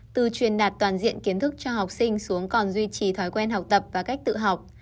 từ truyền đạt toàn diện kiến thức cho học sinh xuống còn duy trì thói quen học tập và cách tự học